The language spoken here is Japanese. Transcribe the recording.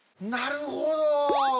なるほど。